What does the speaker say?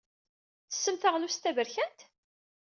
Tettessem taɣlust taberkant?